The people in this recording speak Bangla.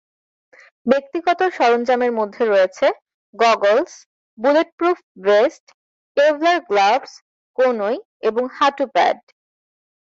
ব্যক্তিগত সরঞ্জামের মধ্যে রয়েছে goggles bulletproof vest, Kevlar gloves, কনুই এবং হাঁটু প্যাড।